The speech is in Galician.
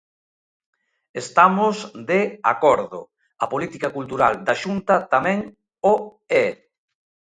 Estamos de acordo, a política cultural da Xunta tamén o é.